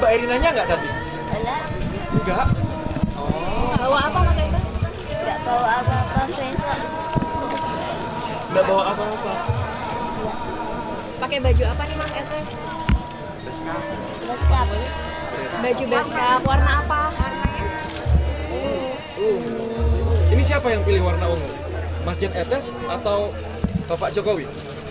tapi siapa yang pilih warna ungu mas jan etes atau bapak jokowi